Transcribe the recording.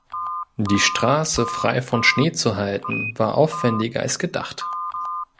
Die Straße frei von Schnee zu halten, war aufwendiger als gedacht.